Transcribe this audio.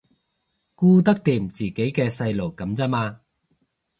顧得掂自己嘅細路噉咋嘛